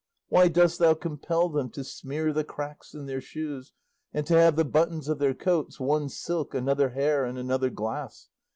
Why dost thou compel them to smear the cracks in their shoes, and to have the buttons of their coats, one silk, another hair, and another glass?